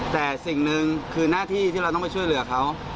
แต่สิ่งหนึ่งคือหน้าที่ที่เราต้องไปช่วยเหลือเขา